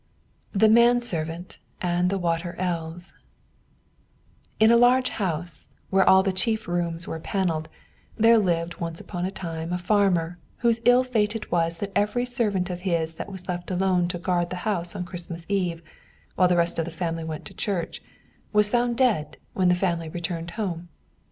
THE MAN SERVANT AND THE WATER ELVES In a large house, where all the chief rooms were paneled, there lived once upon a time a farmer, whose ill fate it was that every servant of his that was left alone to guard the house on Christmas Eve, while the rest of the family went to church, was found dead when the family returned home.